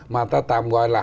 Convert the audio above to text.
mà ta tạm gọi là